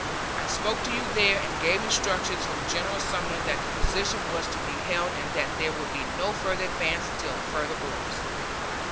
I spoke to you there and gave instructions from General Sumner that the position was to be held and that there would be no further advance till further orders.